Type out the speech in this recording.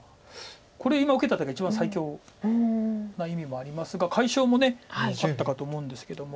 これ今受けた手が一番最強な意味もありますが解消もあったかと思うんですけども。